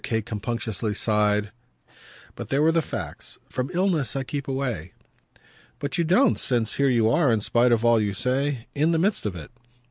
Kate compunctiously sighed. But there were the facts. "From illness I keep away." "But you don't since here you are, in spite of all you say, in the midst of it."